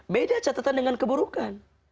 beda catatan dengan keburukan